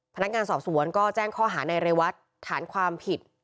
พนักงานสอบสวนก็แจ้งข้อหาในเรวัตฐานความผิด